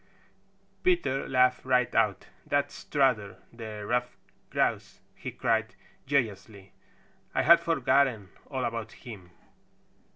Peter laughed right out. "That's Strutter the Stuffed Grouse!" he cried joyously. "I had forgotten all about him.